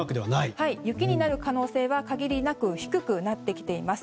雪になる可能性は限りなく低くなってきています。